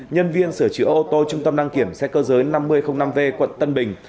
nhân viên sửa chữa ô tô trung tâm đăng kiểm xe cơ giới năm v quận tân bình